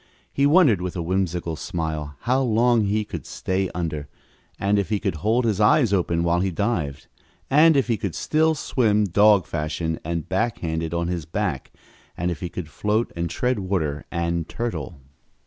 He wondered, with a whimsical smile, how long he could "stay under," and if he could hold his eyes open while he dived, and if he could still swim "dog fashion" and back handed on his back, and if he could float and tread water and "turtle."